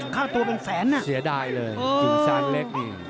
ค่าตัวเป็นแสนน่ะเสียดายเลยกิ่งซานเล็กนี่